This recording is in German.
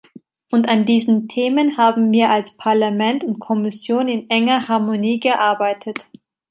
Und an diesen Themen haben wir als Parlament und Kommission in enger Harmonie gearbeitet.